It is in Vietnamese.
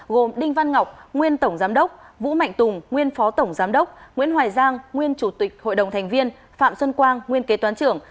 gồm đinh văn ngọc nguyên tổng giám đốc vũ mạnh tùng nguyên phó tổng giám đốc nguyễn hoài giang nguyên chủ tịch hội đồng thành viên phạm xuân quang nguyên kế toán trưởng